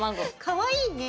かわいいね。